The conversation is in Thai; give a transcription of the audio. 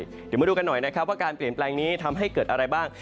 เดี๋ยวมาดูกันหน่อยนะครับว่าการเปลี่ยนแปลงนี้ทำให้เกิดอะไรบ้าง